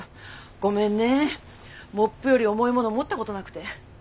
ごめんねモップより重いもの持ったことなくて。